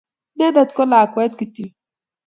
Inendet ko lakwet kityo.